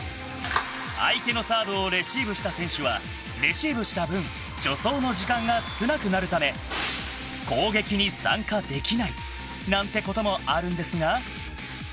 相手のサーブをレシーブした選手はレシーブした分助走の時間が少なくなるため攻撃に参加できないなんてこともあるんですが。